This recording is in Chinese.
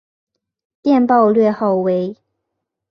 电报略号为。